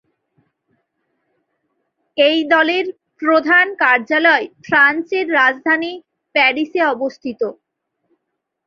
এই দলের প্রধান কার্যালয় ফ্রান্সের রাজধানী প্যারিসে অবস্থিত।